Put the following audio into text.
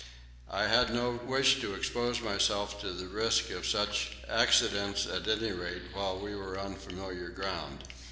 I had no wish to expose myself to the risk of such accidents at any rate, while we were on familiar ground.